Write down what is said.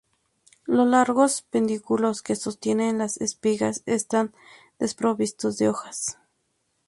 Los largos pedúnculos que sostienen las espigas están desprovistos de hojas.